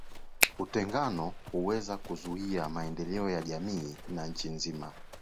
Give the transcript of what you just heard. Utengano huweza kuzuia maendeleo ya jamii na nchi nzima